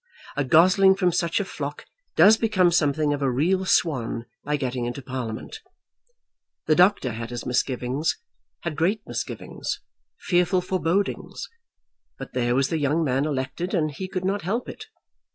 A gosling from such a flock does become something of a real swan by getting into Parliament. The doctor had his misgivings, had great misgivings, fearful forebodings; but there was the young man elected, and he could not help it.